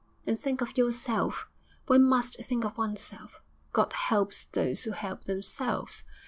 'And think of yourself one must think of oneself. "God helps those who help themselves."